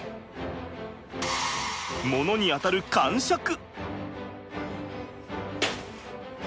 物に当たるかんしゃく。